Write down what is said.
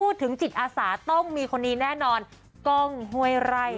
พูดถึงจิตอาสาต้องมีคนนี้แนะนอนก้องห่วยไหร่ค่ะ